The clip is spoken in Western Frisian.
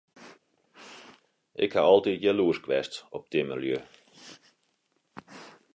Ik haw altyd jaloersk west op timmerlju.